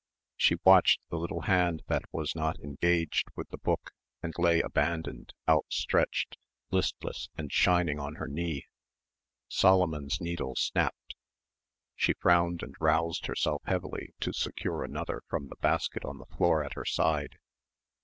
She watched the little hand that was not engaged with the book and lay abandoned, outstretched, listless and shining on her knee. Solomon's needle snapped. She frowned and roused herself heavily to secure another from the basket on the floor at her side.